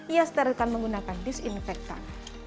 ia sterilkan menggunakan disinfektan